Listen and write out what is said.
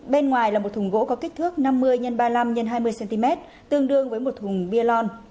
bên ngoài là một thùng gỗ có kích thước năm mươi x ba mươi năm x hai mươi cm tương đương với một thùng biaon